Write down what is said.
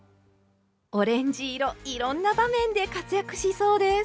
オレンジ色いろんな場面で活躍しそうです。